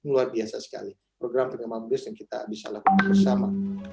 luar biasa sekali program pengembangan bisnis yang kita bisa lakukan bersama